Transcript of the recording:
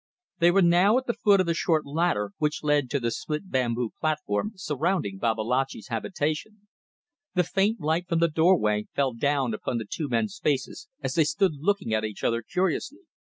They were now at the foot of the short ladder which led to the split bamboo platform surrounding Babalatchi's habitation. The faint light from the doorway fell down upon the two men's faces as they stood looking at each other curiously.